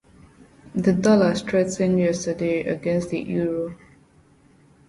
The dollar strengthened yesterday against the euro.